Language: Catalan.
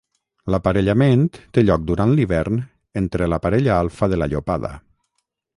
L'aparellament té lloc durant l'hivern entre la parella alfa de la llopada.